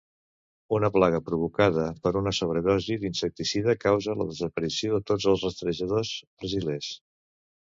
Una plaga provocada per una sobredosi d'insecticida causà la desaparició de tots els rastrejadors brasilers.